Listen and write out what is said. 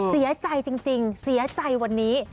เสียใจจริงเสียใจวันนี้